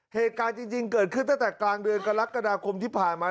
เหตุการณ์จริงเกิดขึ้นตั้งแต่กลางเดือนกรกฎาคมที่ผ่านมา